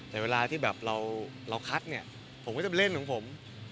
แต่เวลาที่แบบเราคัดเนี่ยผมก็จะเล่นของผม